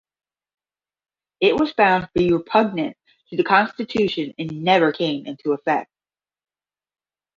It was found to be repugnant to the Constitution and never came into effect.